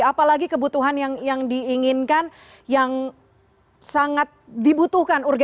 apalagi kebutuhan yang diinginkan yang sangat dibutuhkan